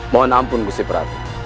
mohon ampun putri prabu